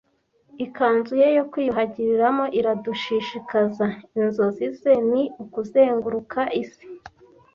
Ikanzu ye yo kwiyuhagiriramo iradushishikaza. Inzozi ze ni ukuzenguruka isi.